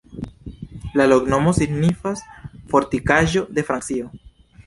La loknomo signifas: Fortikaĵo de Francio.